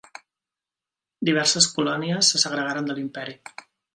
Diverses colònies se segregaren de l'imperi.